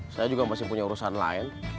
saya juga masih punya urusan lain